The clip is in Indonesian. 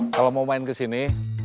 kalau mau main kesini